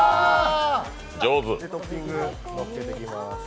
トッピング、のっけていきます。